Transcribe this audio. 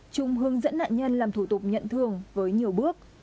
chúng hướng dẫn nạn nhân làm thủ tục nhận thương với nhiều bước